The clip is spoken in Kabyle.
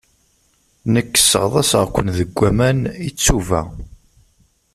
Nekk sseɣḍaṣeɣ-ken deg waman, i ttuba.